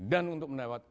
dan untuk menewat